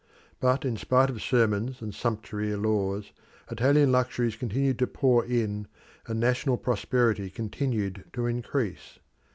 But in spite of sermons and sumptuary laws, Italian luxuries continued to pour in, and national prosperity continued to increase.